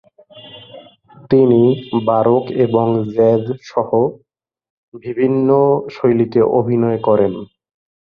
তিনি বারোক এবং জ্যাজ সহ বিভিন্ন শৈলীতে অভিনয় করেন।